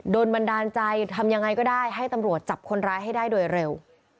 บันดาลใจทำยังไงก็ได้ให้ตำรวจจับคนร้ายให้ได้โดยเร็ว